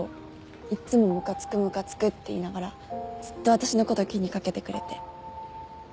いっつもムカつくムカつくって言いながらずっと私のこと気に掛けてくれて。